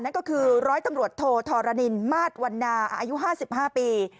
นั่นก็คือร้อยตำรวจโทธรณินมาสวันนาอายุ๕๕ปี